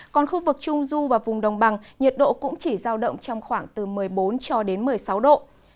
còn khu vực trung du và vùng đồng bằng nhiệt độ cũng chỉ giao động trong khoảng từ một mươi bốn cho đến một mươi sáu độ